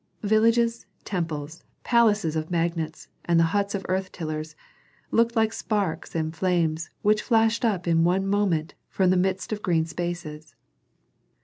Villages, temples, palaces of magnates, and huts of earth tillers looked like sparks and flames which flashed up in one moment from the midst of green spaces.